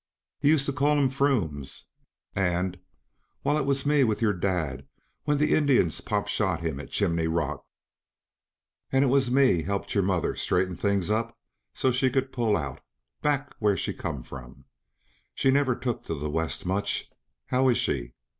Yuh used to call 'em 'frumes,' and Why, it was me with your dad when the Indians pot shot him at Chimney Rock; and it was me helped your mother straighten things up so she could pull out, back where she come from. She never took to the West much. How is she?